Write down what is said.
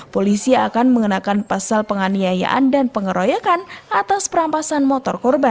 polisi akan mengenakan pasal penganiayaan dan pengeroyokan atas perampasan motor korban